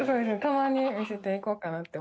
たまに見せていこうかなって思います